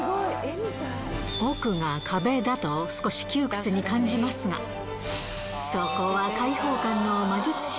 奥が壁だと少し窮屈に感じますが、そこは開放感の魔術師。